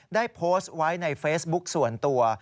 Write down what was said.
ได้โพสต์ไว้ในเฟซบุ๊คส่วนตัว